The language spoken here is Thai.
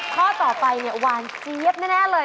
ข้อต่อไปวานเจี๊ยบแน่เลย